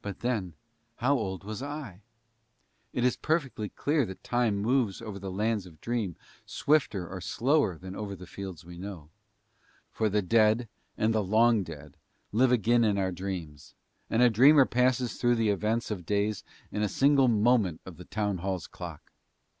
But then how old was I? It is perfectly clear that Time moves over the Lands of Dream swifter or slower than over the fields we know. For the dead, and the long dead, live again in our dreams; and a dreamer passes through the events of days in a single moment of the Town Hall's clock.